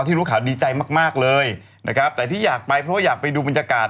แต่ที่อยากไปเพราะอยากไปดูบรรยากาศ